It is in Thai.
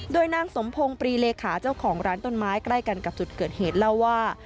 โดยนางสมพงศ์ปรีเลขาเจ้าของร้านต้นไม้ใกล้กันกับจุดเกิดเหตุเล่าว่า